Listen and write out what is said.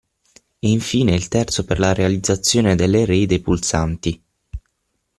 E infine il terzo per la realizzazione dell'array dei pulsanti.